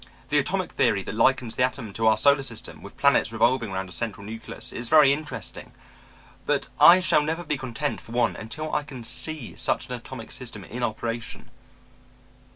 The atomic theory that likens the atom to our solar system, with planets revolving round a central nucleus, is very interesting. But I shall never be content, for one, until I can see such an atomic system in operation.'